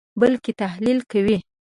بلکې تحلیل کوئ یې.